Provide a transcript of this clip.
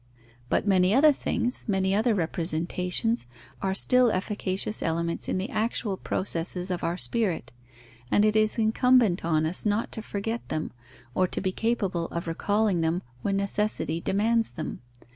But many other things, many other representations, are still efficacious elements in the actual processes of our spirit; and it is incumbent on us not to forget them, or to be capable of recalling them when necessity demands them.